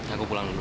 aku pulang dulu